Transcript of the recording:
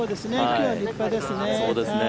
今日は立派ですね。